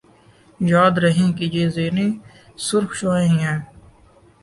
یاد رہے کہ یہ زیریں سرخ شعاعیں ہی ہیں